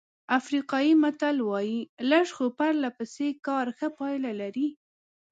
افریقایي متل وایي لږ خو پرله پسې کار ښه پایله لري.